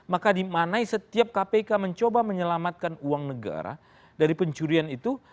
maka dimanai setiap kpk mencoba menyelamatkan uang negara dari pencurian itu